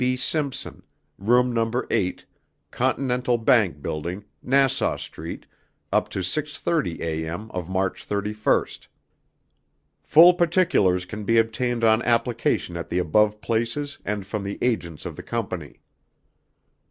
B. Simpson, Room No. 8, Continental Bank Building, Nassau Street, up to 6:30 A. M. of March 31. Full particulars can be obtained on application at the above places and from the agents of the Company.